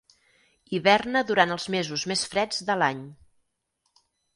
Hiberna durant els mesos més freds de l'any.